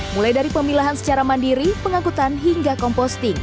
mulai dari pemilahan secara mandiri pengangkutan hingga komposting